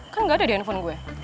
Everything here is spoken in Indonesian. kan gak ada di handphone gue